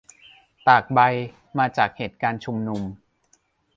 ตากใบ มาจากเหตุการณ์ชุมนุม